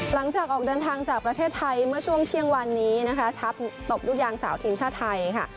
หลังจากออกเดินทางจากประเทศไทยเมื่อช่วงเที่ยงวันนี้นะคะทัพตบลูกยางสาวทีมชาติไทยค่ะ